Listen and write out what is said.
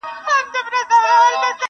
په زرگونو حاضر سوي وه پوځونه٫